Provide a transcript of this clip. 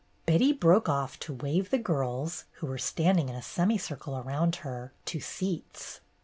*" Betty broke off to wave the girls, who were standing in a semicircle around her, to seats.